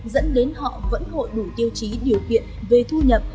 dẫn đến họ vẫn hội đủ tiêu chí điều kiện về thu nhập